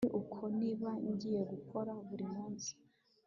ni uko niba ngiye gukora buri munsi